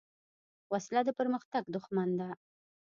وسله د پرمختګ دښمن ده